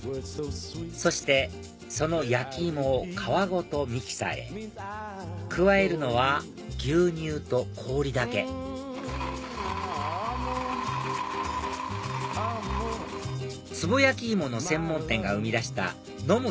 そしてその焼き芋を皮ごとミキサーへ加えるのは牛乳と氷だけつぼ焼き芋の専門店が生み出した飲む